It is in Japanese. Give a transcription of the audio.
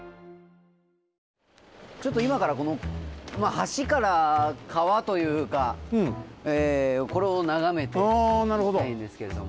ちょっといまからこの橋から川というかこれをながめていきたいんですけれども。